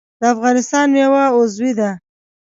د افغانستان میوه عضوي ده